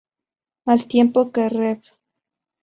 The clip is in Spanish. Al tiempo que Rev.